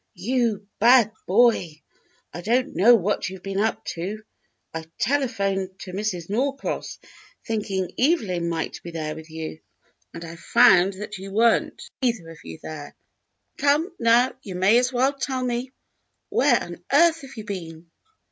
"You bad boy! I don't know what you've been up to. I telephoned to Mrs. Norcross, thinking Evelyn might be there with you, and I found you were n't 118 THE BLUE AUNT either of you there. Come, now, you may as well tell me. Where on earth have you been.?"